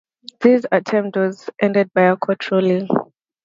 This attempt was ended by a court ruling.